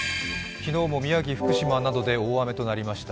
昨日も宮城、福島などで大雨となりました